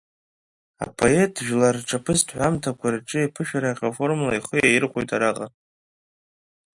Апоет жәлар рҿаԥыцтә ҳәамҭақәа рҿы иԥыршәахьоу аформула ихы иаирхәеит араҟа.